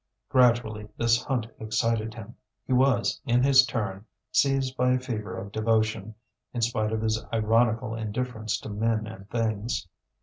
Gradually this hunt excited him; he was, in his turn, seized by a fever of devotion, in spite of his ironical indifference to men and things.